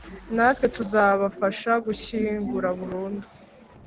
natwe tuzabafasha gushyingura burundu